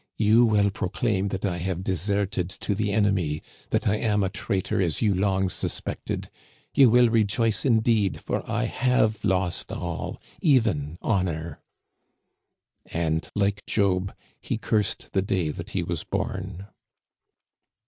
You will proclaim that I have deserted to the enemy, that I am a traitor as you long suspected. You will rejoice indeed, for I have lost all, even honor." And like Job, he cursed the day that he was born.